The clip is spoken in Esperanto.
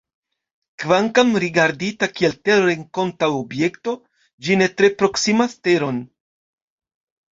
Kvankam rigardita kiel terrenkonta objekto, ĝi ne tre proksimas Teron.